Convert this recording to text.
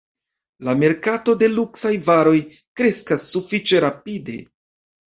La merkato de luksaj varoj kreskas sufiĉe rapide.